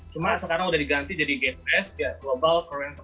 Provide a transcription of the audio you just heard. cuma sekarang sudah diganti jadi gks global korean scholarship